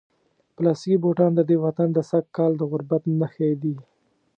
پلاستیکي بوټان د دې وطن د سږکال د غربت نښې دي.